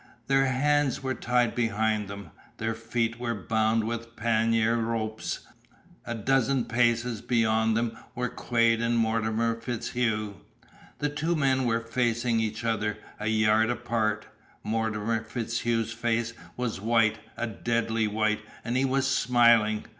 Their hands were tied behind them. Their feet were bound with pannier ropes. A dozen paces beyond them were Quade and Mortimer FitzHugh. The two men were facing each other, a yard apart. Mortimer FitzHugh's face was white, a deadly white, and he was smiling.